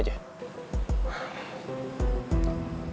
papa percaya begitu aja